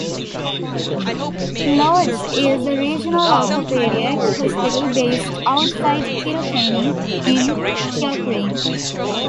Lourdes is the regional orthopaedic hospital based outside Kilkenny in Kilcreene.